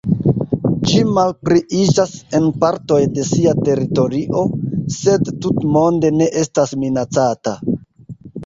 Ĝi malpliiĝas en partoj de sia teritorio, sed tutmonde ne estas minacata.